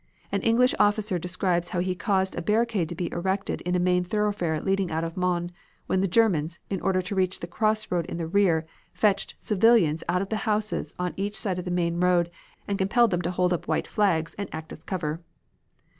An English officer describes how he caused a barricade to be erected in a main thoroughfare leading out of Mons, when the Germans, in order to reach a crossroad in the rear, fetched civilians out of the houses on each side of the main road and compelled them to hold up white flags and act as cover.